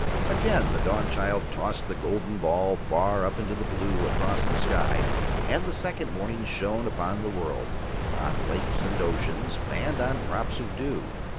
Again the Dawnchild tossed the golden ball far up into the blue across the sky, and the second morning shone upon the world, on lakes and oceans, and on drops of dew.